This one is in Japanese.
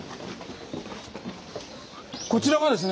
こちらがですね。